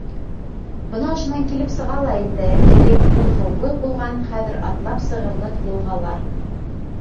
Бына ошонан килеп сыға ла инде элек мул һыулы булған, хәҙер атлап сығырлыҡ йылғалар.